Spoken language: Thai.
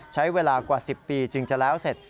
ใช้เวลากว่า๑๐ปีจึงจะแล้วเสร็จ